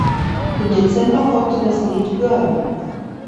Im Dezember folgte das Lied "Girl".